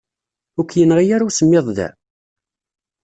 Ur k-yenɣi ara usemmiḍ da?